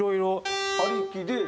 ありきで。